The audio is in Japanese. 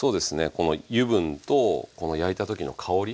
この油分とこの焼いた時の香り